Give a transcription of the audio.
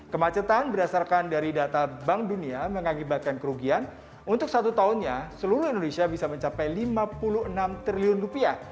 kemacetan berdasarkan dari data bank dunia mengakibatkan kerugian untuk satu tahunnya seluruh indonesia bisa mencapai lima puluh enam triliun rupiah